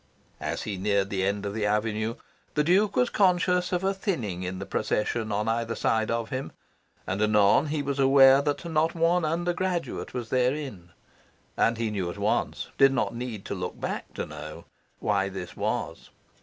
As he neared the end of the avenue, the Duke was conscious of a thinning in the procession on either side of him, and anon he was aware that not one undergraduate was therein. And he knew at once did not need to look back to know why this was.